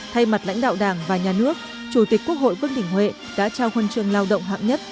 thay mặt lãnh đạo đảng và nhà nước chủ tịch quốc hội vương đình huệ đã trao huân trường lao động hạng nhất